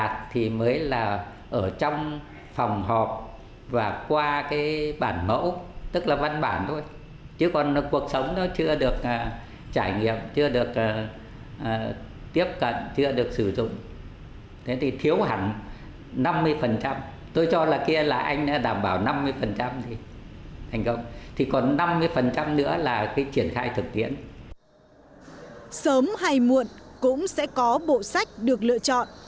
sớm hay muộn cũng sẽ có bộ sách được lựa chọn